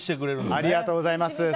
ありがとうございます。